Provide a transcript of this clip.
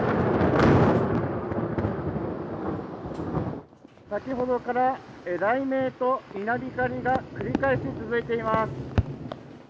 わぁ先ほどから、雷鳴と稲光が繰り返し続いています。